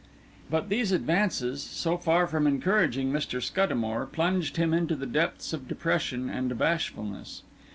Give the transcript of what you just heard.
But these advances, so far from encouraging Mr. Scuddamore, plunged him into the depths of depression and bashfulness.